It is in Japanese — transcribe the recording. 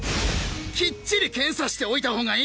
きっちり検査しておいた方がいい！